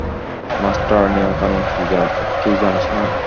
Master, নিয়ম-কানুন কি জানিস না?